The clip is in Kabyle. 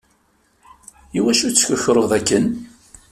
Iwacu tettkukruḍ akken?